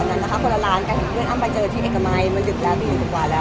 คือเขาก็ปรึกษากันว่าอ้ำยังไงบอกอ้ำยังไงดีอ้ำบอกใครยังไงดี